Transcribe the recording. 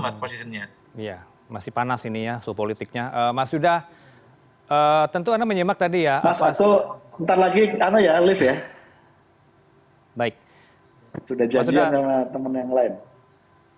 sudah janjian dengan teman yang lain